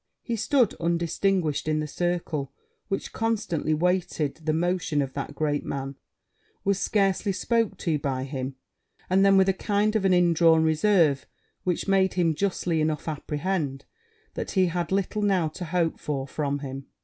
He stood undistinguished in the circle which constantly waited the motions of that great man was scarcely spoken to by him, and then with a kind of indrawn reserve, which made him justly enough apprehensive that he had little now to hope for from him.